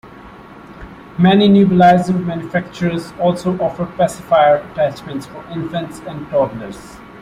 Many nebulizer manufacturers also offer pacifier attachments for infants and toddlers.